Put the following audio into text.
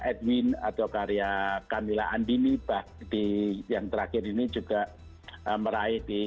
edwin atau karya kamila andini yang terakhir ini juga meraih